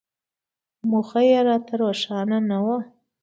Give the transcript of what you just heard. موخه یې راته روښانه نه وه.